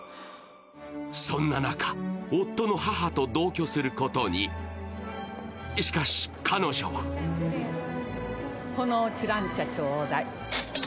そんな中、夫の母と同居することにしかし、彼女はこの知覧茶ちょうだい。